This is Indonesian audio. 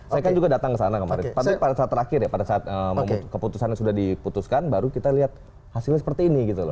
saya kan juga datang ke sana kemarin tapi pada saat terakhir ya pada saat keputusannya sudah diputuskan baru kita lihat hasilnya seperti ini gitu loh